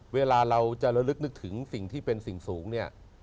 เวลาเราจะระลึกนึกถึงสิ่งที่เป็นสิ่งสูงเนี่ย